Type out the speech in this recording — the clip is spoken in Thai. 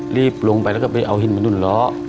รีบลงไปแล้วก็ไปเอาหินมาหนุนล้อ